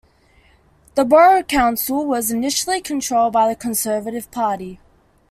The borough council was initially controlled by the Conservative Party.